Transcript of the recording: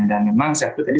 dan memang saya pun tadi